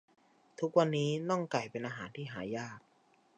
ทุกวันนี้น่องไก่เป็นอาหารที่หายาก